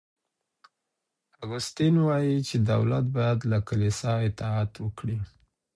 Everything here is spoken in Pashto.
اګوستين وايي چي دولت بايد له کليسا اطاعت وکړي.